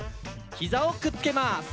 ひざをくっつけます！